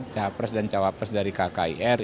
capres dan cawapres dari kkir